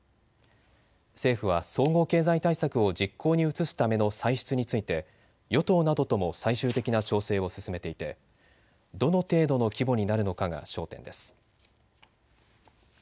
政府は総合経済対策を実行に移すための歳出について与党などとも最終的な調整を進めていてどの程度の規模になるのかが焦点です。